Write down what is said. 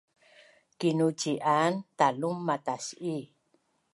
Kinucian talum matas’i